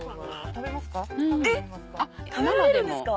食べられるんですか！